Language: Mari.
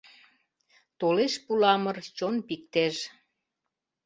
Толеш пуламыр чон пиктеж.